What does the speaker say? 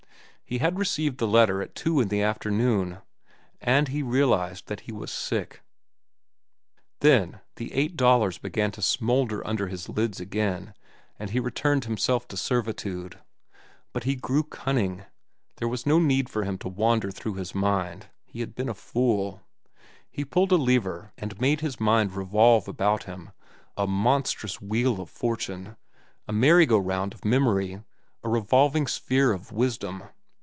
He had received the letter at two in the afternoon, and he realized that he was sick. Then the "$8.00" began to smoulder under his lids again, and he returned himself to servitude. But he grew cunning. There was no need for him to wander through his mind. He had been a fool. He pulled a lever and made his mind revolve about him, a monstrous wheel of fortune, a merry go round of memory, a revolving sphere of wisdom.